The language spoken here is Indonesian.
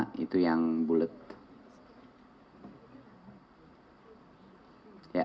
halaman kelima itu yang